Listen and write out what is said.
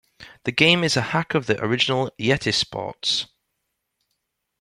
The game is a hack of the original Yetisports.